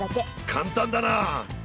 簡単だな。